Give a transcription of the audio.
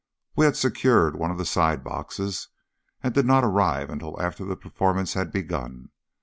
We had secured one of the side boxes, and did not arrive until after the performance had begun.